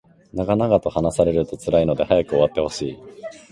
長々と話されると辛いので早く終わってほしい